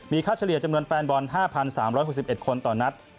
ค่าเฉลี่ยจำนวนแฟนบอล๕๓๖๑คนต่อนัด